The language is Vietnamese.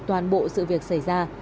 toàn bộ sự việc xảy ra